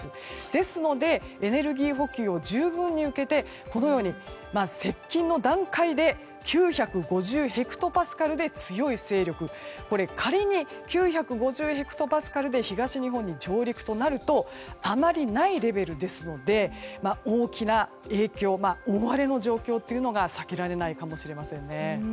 ですのでエネルギー補給を十分に受けてこのように接近の段階で９５０ヘクトパスカルで強い勢力仮に９５０ヘクトパスカルで東日本に上陸となるとあまりないレベルですので大きな影響大荒れの状況というのが避けられないかもしれません。